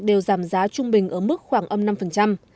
đều giảm giá trung bình ở mức khoảng âm năm